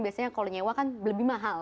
biasanya kalau nyewa kan lebih mahal